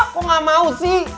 kok gak mau sih